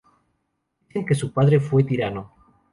Dicen que su padre fue tirano.